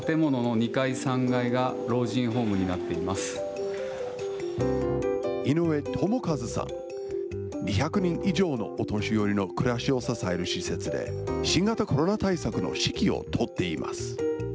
２００人以上のお年寄りの暮らしを支える施設で、新型コロナ対策の指揮を執っています。